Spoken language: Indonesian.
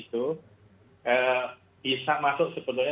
sama dari kitaran ya ini tidak masuk sealnya kita akan